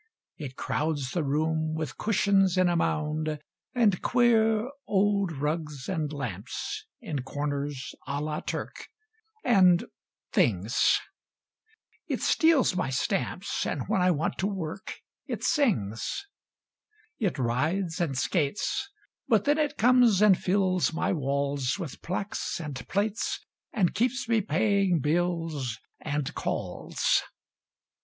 It crowds the room With cushions in a mound And queer Old rugs and lamps In corners a la Turque And things. It steals my stamps, And when I want to work It sings! It rides and skates But then it comes and fills My walls With plaques and plates And keeps me paying bills And calls.